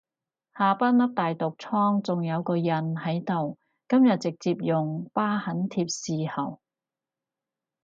下巴粒大毒瘡仲有個印喺度，今日直接用疤痕貼侍候